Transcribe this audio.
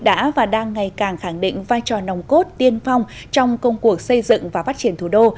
đã và đang ngày càng khẳng định vai trò nồng cốt tiên phong trong công cuộc xây dựng và phát triển thủ đô